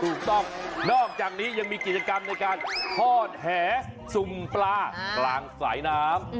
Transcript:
ถูกต้องนอกจากนี้ยังมีกิจกรรมในการทอดแหสุ่มปลากลางสายน้ำ